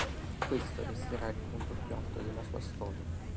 Questo resterà il punto più alto della sua storia.